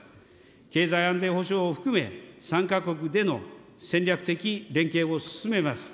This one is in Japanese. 経済安全保障を含め、３か国での戦略的連携を進めます。